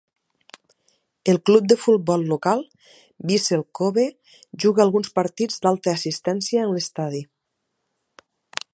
El club de futbol local Vissel Kobe juga alguns partits d'alta assistència en l'estadi.